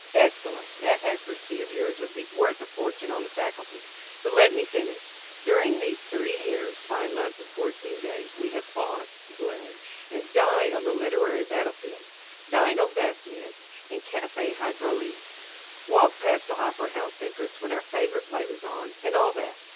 "Excellent! That accuracy of yours would be worth a fortune on the faculty. But let me finish during these three years, five months and fourteen days we have fought, bled and died on the literary battle field; dined on bath mitts and café hydraulique, walked past the opera house entrance when our favorite play was on, and all that.